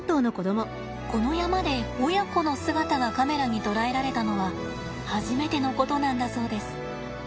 この山で親子の姿がカメラに捉えられたのは初めてのことなんだそうです。